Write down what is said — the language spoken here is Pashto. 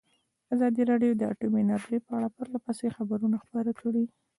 ازادي راډیو د اټومي انرژي په اړه پرله پسې خبرونه خپاره کړي.